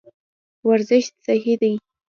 ورزش صحي دی.